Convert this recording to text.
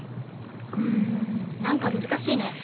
うん何か難しいね。